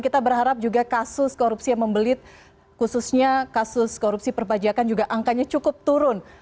kita berharap juga kasus korupsi yang membelit khususnya kasus korupsi perpajakan juga angkanya cukup turun